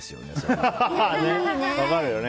分かるよね。